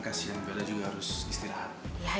kasian bella juga harus istirahat